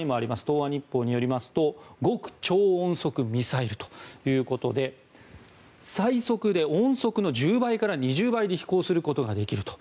東亜日報によりますと極超音速ミサイルということで最速で音速の１０倍から２０倍で飛行することができると。